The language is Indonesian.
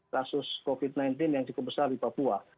kasus covid sembilan belas yang cukup besar di papua